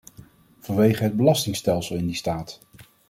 Vanwege het belastingstelsel in die staat.